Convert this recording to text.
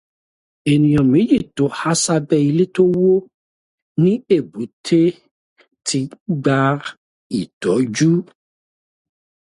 Ènìyàn méjì tó há sábẹ́ ilé tó wó ní Èbúté ti ń gba ìtọ́jú.